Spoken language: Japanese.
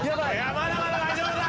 まだまだ大丈夫だ。